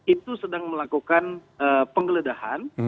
itu sedang melakukan penggeledahan